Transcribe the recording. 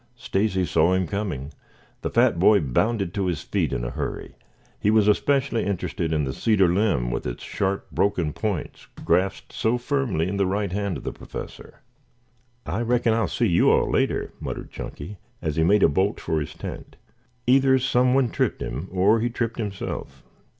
Stacy saw him coming. The fat boy bounded to his feet in a hurry. He was especially interested in the cedar limb with its sharp broken points, grasped so firmly in the right hand of the Professor. "I reckon I'll see you all later," muttered Chunky as he made a bolt for his tent. Either some one tripped him or he tripped himself.